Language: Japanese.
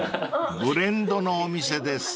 ［ブレンドのお店です］